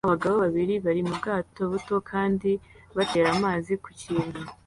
Abagabo babiri bari mu bwato buto kandi batera amazi ku kintu